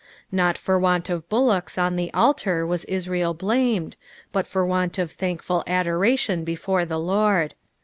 Not for want of bullocks on the oltar was Israel blamed, but for want of thankful adoration before the Lord.